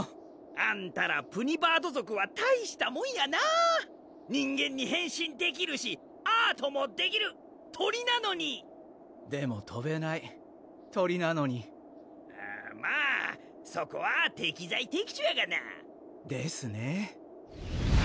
あんたらプニバード族は大人間に変身できるしアートもできる鳥でもとべない鳥なのにまぁそこは適材適所やがですね